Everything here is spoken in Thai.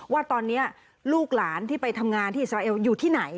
ว่าตอนนี้ลูกหลานที่ไปทำงานที่อิสราเอลอยู่ที่ไหน